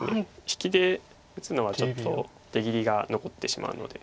引きで打つのはちょっと出切りが残ってしまうので。